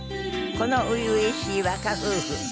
この初々しい若夫婦。